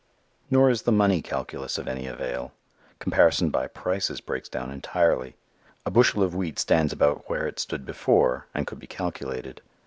Nor is the money calculus of any avail. Comparison by prices breaks down entirely. A bushel of wheat stands about where it stood before and could be calculated.